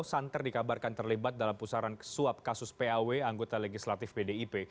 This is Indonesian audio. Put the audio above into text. santer dikabarkan terlibat dalam pusaran suap kasus paw anggota legislatif pdip